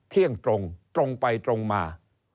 เที่ยงตรงตรงไปตรงมา